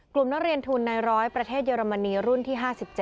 กลุ่มนักเรียนทุนใน๑๐๐ประเทศเยอรมนีรุ่นที่๕๗